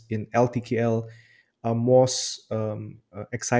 untuk kapasitas mereka sendiri